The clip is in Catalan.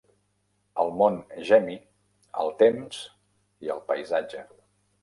el mont Gemi, el Temps i el Paisatge.